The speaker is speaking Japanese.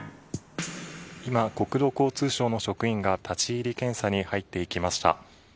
今、国土交通省の職員が立ち入り検査に入っていきました。